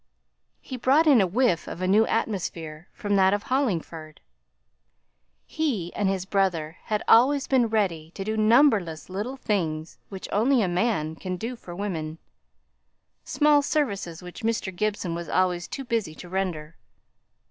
He brought in a whiff of a new atmosphere from that of Hollingford. He and his brother had been always ready to do numberless little things which only a man can do for women; small services which Mr. Gibson was always too busy to render.